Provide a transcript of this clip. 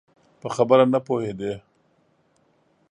په خبره نه پوهېدی؟